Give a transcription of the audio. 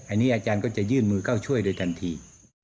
อันนี้อาจารย์ก็จะยื่นมือเข้าช่วยโดยทันที